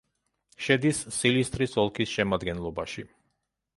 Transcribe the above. შედის სილისტრის ოლქის შემადგენლობაში.